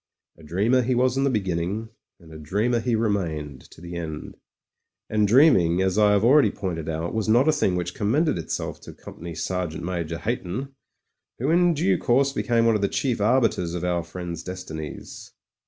A dreamer he was in the beginning, and a dreamer he remained to the end. And dreaming, as I have already pointed out, was not a thing which commended itself to Company Sergeant Major Hayton, who in due course became one of the chief arbiters of our friend's destinies.